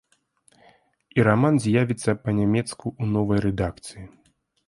І раман з'явіцца па-нямецку ў новай рэдакцыі.